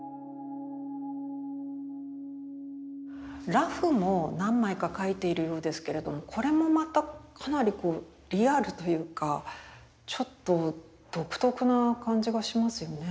裸婦も何枚か描いているようですけれどもこれもまたかなりこうリアルというかちょっと独特な感じがしますよね。